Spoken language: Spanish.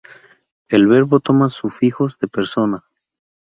El verbo toma sufijos de persona.